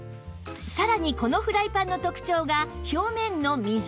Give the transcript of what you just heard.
さらにこのフライパンの特長が表面の溝